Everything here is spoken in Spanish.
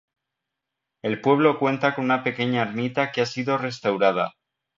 El pueblo cuenta con una pequeña ermita que ha sido restaurada.